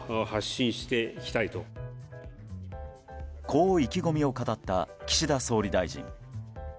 こう意気込みを語った岸田総理大臣。